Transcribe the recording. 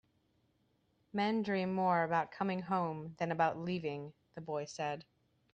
"Men dream more about coming home than about leaving," the boy said.